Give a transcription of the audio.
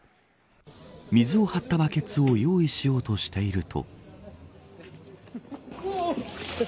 水を張ったバケツを用意しようとしていると。